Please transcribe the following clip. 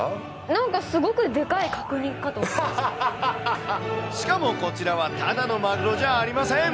なんか、すごくでかい角煮かしかもこちらはただのマグロじゃありません。